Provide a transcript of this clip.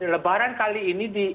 lebaran kali ini